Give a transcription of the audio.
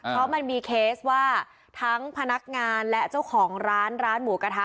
เพราะมันมีเคสว่าทั้งพนักงานและเจ้าของร้านร้านหมูกระทะ